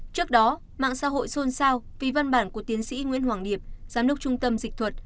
trước đó mạng xã hội xôn xao vì văn bản của tiến sĩ nguyễn hoàng điệp giám đốc trung tâm dịch thuật